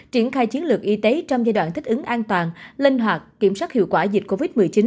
triển khai chiến lược y tế trong giai đoạn thích ứng an toàn linh hoạt kiểm soát hiệu quả dịch covid một mươi chín